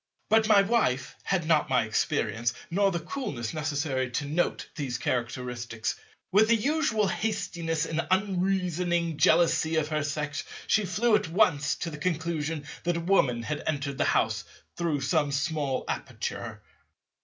But my Wife had not my experience, nor the coolness necessary to note these characteristics. With the usual hastiness and unreasoning jealousy of her Sex, she flew at once to the conclusion that a Woman had entered the house through some small aperture.